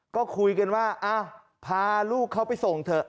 ก็คุยกันว่าพาลูกเขาไปส่งเถอะ